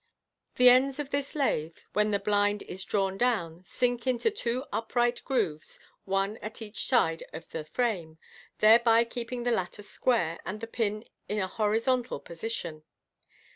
The ends of this lath, when the blind is drawn down, sink into two upright grooves, one at each side of the frame, thereby keeping the latter square, and the pin in a horizontal position.